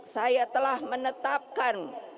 saya telah menetapkan